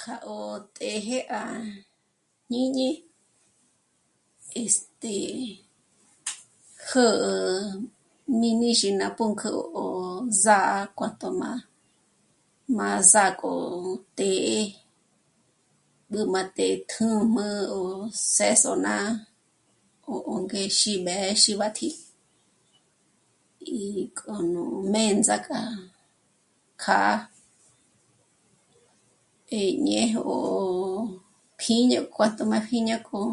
Kjâ'a o tjë̌jë à jñíñi, este..., jä̌'ä mí míxi ná pǔnk'ü 'ó, 'o sà'a k'o tö̌m'a, má sà'a k'o të́'ë, b'ǘ má të́'ë kjǚjm'ü o má s'ês'o ná'a, 'ó, 'ó ngéxi mbé'e xíbatji í k'o nú m'é'e ndzàk'a kjâ'a e néj yó pjíño kjuá'a tö̌m'a pjíño k'o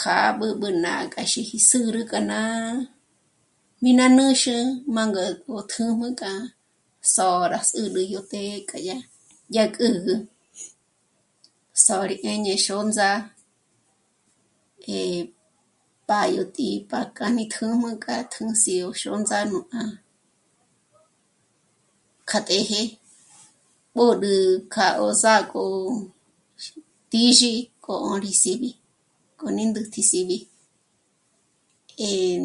kjâ'abü ná k'a xíji zǚrü k'a ná... mí ná nǚnxu mângü 'ó tjǘ'm'ü k'a sô'o rá zǚrü yó të́'ë́ k'a yá... yá k'ǚgü, sô'o rí 'éñe xôndza e pa yó tǐ'i pa k'a ní tjǘ'm'ü k'a tjǘndzi o xôndza k'a kja të́jë b'ǒd'ü k'a 'ó sà'a k'o tízhi k'o rí síbi, k'o rí ndǘntü síbi. Eh,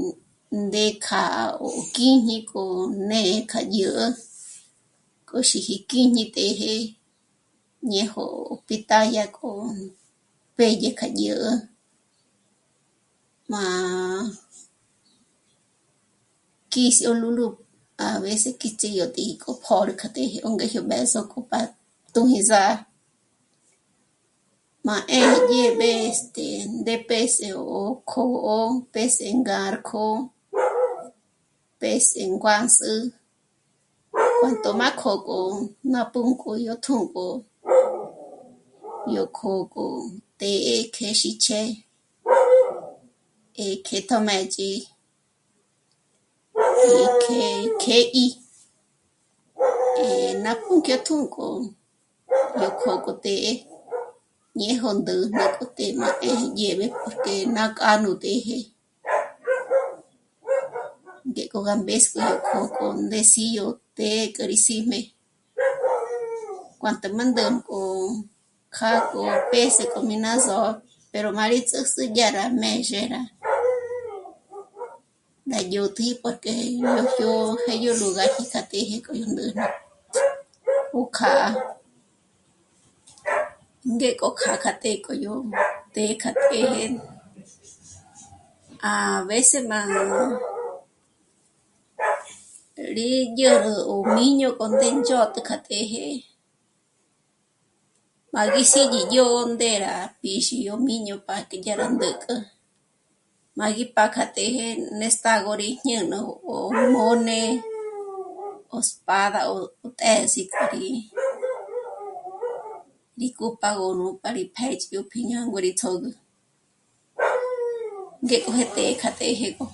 ndé kjâ'a o kíjñi k'o né'e k'a ñä̌'ä k'o xíji kíjñi të́jë, ñéjo pitaya k'o pédye k'a dyä̌'ä, má kísi ó lúlu, a veces kítsi yó tǐ'i k'o pjö̌rü k'a të́jë ó ngéjyo b'ë̌zo k'o pa tújn'i sà'a má 'éj dyébe, este..., ndé p'ês'e o kjô'o p'ês'e ngârk'o, p'ês'e nguáns'u ó tö̌m'a kjó'o gó ná pǔnk'ü yó tjú'ugö, yó kjó'o k'o të́'ë kjèxichje e k'e tjö́mëch'i e k'e k'édyi, eh... ná pǔnk'ü tjúnk'o k'ok'o të́'ë néjyo ndä̂jnä k'o té'e má 'ë́jë dyébe porque ná kjâ'a nú të́jë ngék'o yá mbésgyo jók'o k'o ndés'i yó të́'ë k'o rí síjmé, juájtü má ndǚnk'o kjâ'a o p'ês'e k'o mí ná só'o, pero má rí ts'ǘs'u yá rá mêndzhe rá, gá dyä̀tji í kjë́'ë ín ngójyo k'e yó lugarji ts'á të́jë k'o yó ndä̂jnä 'ú kjâ'a. Ngék'o kjâ'a k'a të́'ë k'o yó të́'ë kja të́jë, a veces má rí dyä̀'ä ó jmíño k'o ndéndzhôt'ü k'a të́jë, má gí sígi dyó'o ndé rá pízhi yó jmíño para que dyà rá ndǚjk'ü, má gí pá'a k'a të́jë nestágo rí ñä̀'nä o mó'n'e, o espada o të̌s'i k'a rí, rí cupágö nú, pa rí péch'go pjí'i ñângo rí ts'ö̌gü, ngék'o jé të́'ë kja të́jë k'o